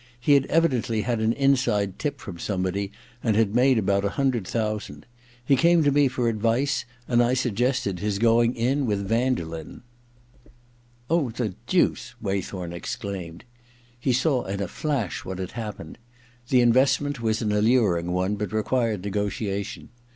He had evidently had an inside tip from somebody, and had made about a hundred thousand. He came to me for advice, and I suggested his going in with Vanderlyn.* * Oh, the deuce !' Waythorn exclaimed. He saw in a flash what had happened. The in vestment was an alluring one, but required 54 Ill THE OTHER TWO 55 n^otiation.